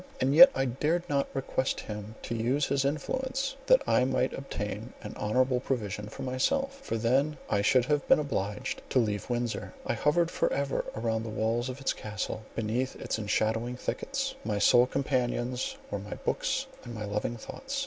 And yet I dared not request him to use his influence that I might obtain an honourable provision for myself—for then I should have been obliged to leave Windsor. I hovered for ever around the walls of its Castle, beneath its enshadowing thickets; my sole companions were my books and my loving thoughts.